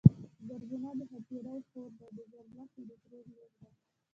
زرغونه د ښاپيرې خور ده او د زرلښتی د ترور لور ده